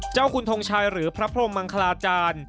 เจ้าคุณทงชัยหรือพระพรมมังคลาจารย์